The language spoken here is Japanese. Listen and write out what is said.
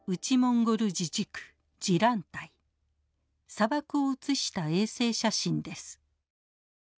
砂漠を写した衛星写真です。